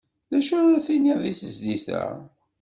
D acu ara tiniḍ di tezlit-a?